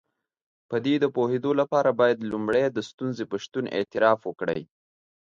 په دې د پوهېدو لپاره بايد لومړی د ستونزې په شتون اعتراف وکړئ.